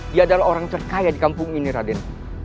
dia adalah orang terkaya di kampung ini raden